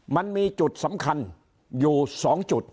มันมีจุดสำคัญอยู่๒จุด